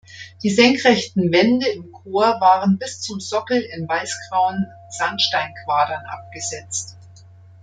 Die senkrechten Wände im Chor waren bis zum Sockel in weißgrauen Sandsteinquadern abgesetzt.